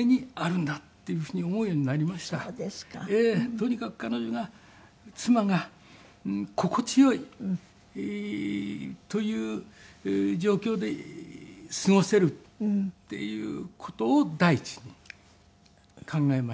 とにかく彼女が妻が心地良いという状況で過ごせるっていう事を第一に考えました。